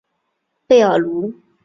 贝尔卢。